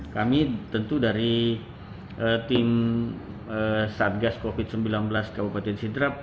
kami tentu dari tim satgas covid sembilan belas kabupaten sidrap